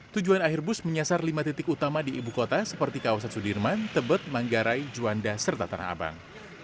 tujuan akhir bus menyasar lima titik utama di ibu kota seperti kawasan sudirman tebet manggarai juanda serta tanah abang